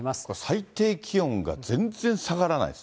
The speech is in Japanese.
最低気温が全然下がらないです。